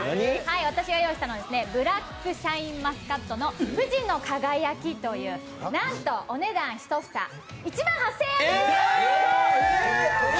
私が用意したのはブラックシャインマスカットの富士の輝という、なんとお値段１房１万８０００円です！